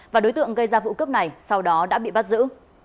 và đối tượng gây ra vụ cướp này sau đó đã bị bắt giữ